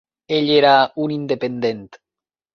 Ell era un independent.